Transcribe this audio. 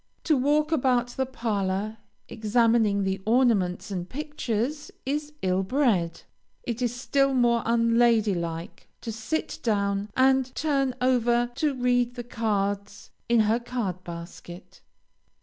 To walk about the parlor, examining the ornaments and pictures, is ill bred. It is still more unlady like to sit down and turn over to read the cards in her card basket.